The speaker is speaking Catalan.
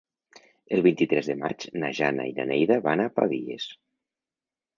El vint-i-tres de maig na Jana i na Neida van a Pavies.